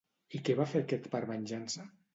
I què va fer aquest per venjança?